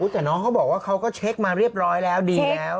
แต่น้องเขาบอกว่าเขาก็เช็คมาเรียบร้อยแล้วดีแล้ว